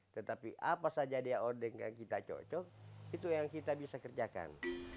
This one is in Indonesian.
tetapi apa saja dia ordeng yang kita cocok itu yang kita bisa kerjakan